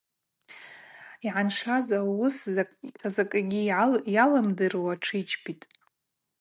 Йгӏаншаз ауыс закӏгьи алимдыргӏауа тшичпитӏ.